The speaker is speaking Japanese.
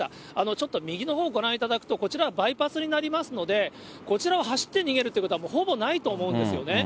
ちょっと右のほうご覧いただくと、こちら、バイパスになりますので、こちらを走って逃げるということは、もうほぼないと思うんですよね。